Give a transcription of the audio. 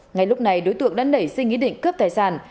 ngay lúc này đối tượng đã nảy sinh ý định cướp tài sản